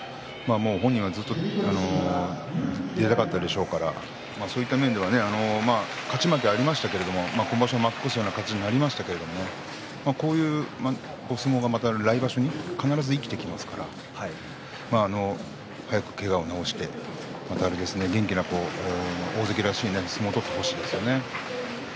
本人はずっと出たかったでしょうからそういった面では勝ち負けはありましたけれど今場所、負け越しという形になりましたけれどこういう相撲が来場所に必ず生きてきますから早くけがを治して元気な大関らしい相撲を取ってほしいですね。